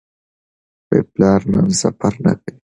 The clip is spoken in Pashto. پلار نن سفر نه کوي.